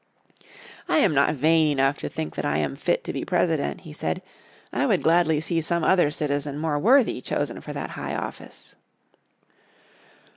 "I am not vain enough to think that I am fit to be President," he said. "I would gladly see some other citizen more worthy chosen for that high office."